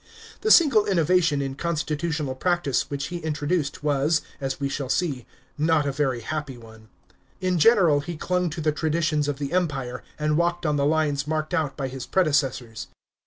The single innovation in constitutional practice, which he introduced, was, as we shall see, not a veiy happy one. In general, he clung to the traditions of the Empire, and walked on the lines marked out by his predecessors.